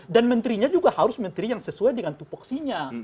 dan menterinya juga harus menteri yang sesuai dengan tupuksinya